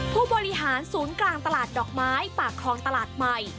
ผู้บริหารศูนย์กลางตลาดดอกไม้ปากคลองตลาดใหม่